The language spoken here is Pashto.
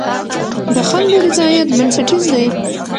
د خلکو رضایت بنسټیز دی.